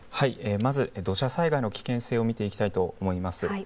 まず土砂災害の危険性を見ていきたいと思います。